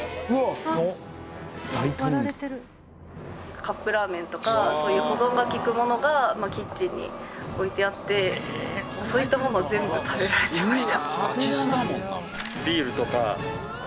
カップラーメンとかそういう保存がきくものがキッチンに置いてあってそういったものを全部食べられてました。